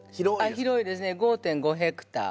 広いですね５．５ヘクタール。